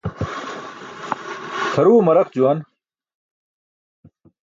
Kʰaruwe maraq juwan.